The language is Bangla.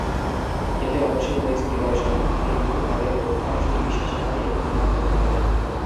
এতে অবশ্যই রয়েছে নিদর্শন, কিন্তু তাদের অধিকাংশই বিশ্বাসী নয় এবং তোমার প্রতিপালক!